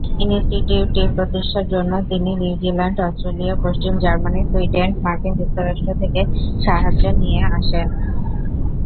ইনস্টিটিউটটি প্রতিষ্ঠার জন্য, তিনি নিউজিল্যান্ড, অস্ট্রেলিয়া, পশ্চিম জার্মানি, সুইডেন, এবং মার্কিন যুক্তরাষ্ট্র থেকে সাহায্য নিয়ে আসেন।